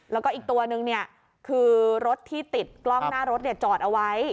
แล้วก็อีกตัวนึงคือรถที่ติดกล้องหน้ารถจอดเอาไว้